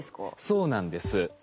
そうなんです。